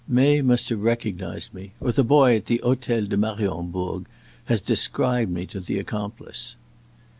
May must have recognized me, or the boy at the Hotel de Mariembourg has described me to the accomplice."